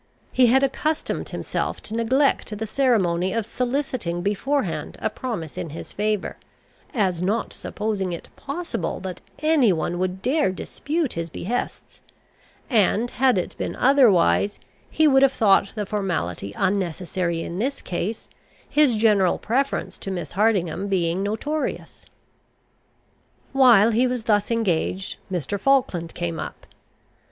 He had accustomed himself to neglect the ceremony of soliciting beforehand a promise in his favour, as not supposing it possible that any one would dare dispute his behests; and, had it been otherwise, he would have thought the formality unnecessary in this case, his general preference to Miss Hardingham being notorious. While he was thus engaged, Mr. Falkland came up.